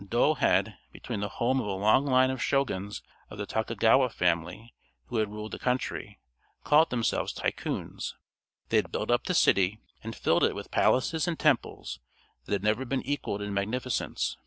Yedo had been the home of a long line of Shoguns of the Tokugawa family who had ruled the country, calling themselves "Tycoons." They had built up the city, and filled it with palaces and temples that had never been equaled in magnificence.